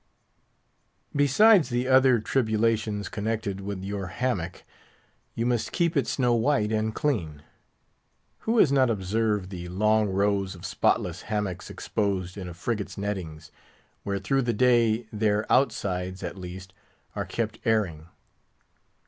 Besides the other tribulations connected with your hammock, you must keep it snow white and clean; who has not observed the long rows of spotless hammocks exposed in a frigate's nettings, where, through the day, their outsides, at least, are kept airing?